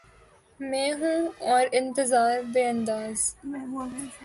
میں ہوں اور انتظار بے انداز